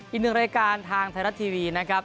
อีกหนึ่งรายการทางไทยรัฐทีวีนะครับ